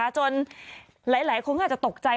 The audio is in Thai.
จนหลายคนก็อาจจะตกใจ